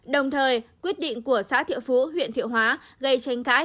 đồng thời quyết định của xã thiệu phú huyện thiệu hóa gây tranh cãi